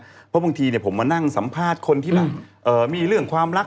เพราะบางทีผมมานั่งสัมภาษณ์คนที่แบบมีเรื่องความรัก